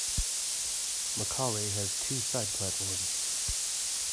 Macaulay has two side platforms.